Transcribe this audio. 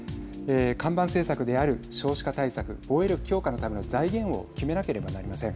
看板政策である少子化対策防衛力強化のための財源を決めなければなりません。